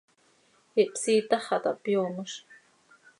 Ihpsiitax xah taa hpyoomoz.